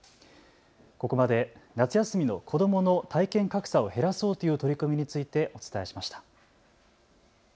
ここまで夏休みの子どもの体験格差を減らそうという取り組みについてお伝えしました。